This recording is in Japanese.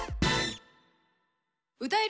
「歌える！